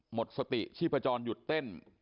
หมดสติชีพจรหยุดเต้น